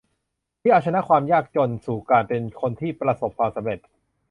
ที่เอาชนะความยากจนสู่การเป็นคนที่ประสบความสำเร็จ